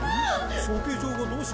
処刑場がどうした？